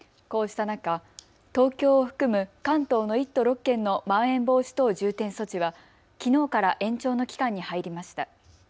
こうした中、東京を含む関東の１都６県のまん延防止等重点措置はきのうから延長の期間に入りました。